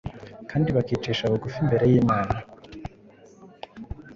kandi bakicisha bugufi imbere y’Imana,